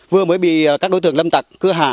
vừa mới bị các đối tượng lâm tặc cưa hạ